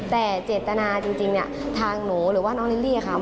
แต่เจตนาจริงเนี่ยทางหนูหรือว่าน้องลิลลี่ค่ะ